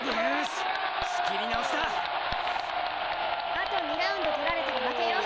あと２ラウンド取られたら負けよ！